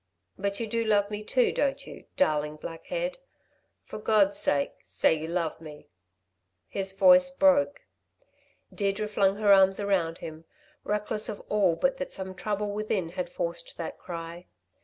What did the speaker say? But you do love me, too, don't you, darling black head? For God's sake say you love me." His voice broke. Deirdre flung her arms about him, reckless of all but that some trouble within had forced that cry.